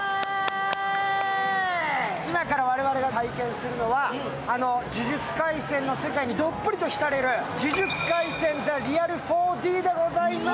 今から我々が体験するのはあの「呪術廻戦」の世界にどっぷりと浸れる「呪術廻戦・ザ・リアル４−Ｄ」でございます！